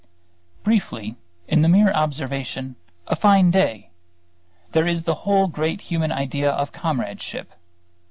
Briefly, in the mere observation "a fine day" there is the whole great human idea of comradeship.